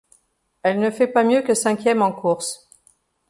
Elle ne fait pas mieux que cinquième en course.